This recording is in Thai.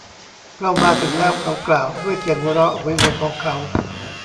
เรามาถึงแล้ว เขากล่าว ด้วยเสียงหัวเราะโหยหวนของเขา